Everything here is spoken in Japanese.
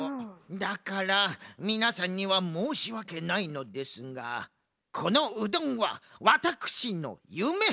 だからみなさんにはもうしわけないのですがこのうどんはワタクシのゆめ！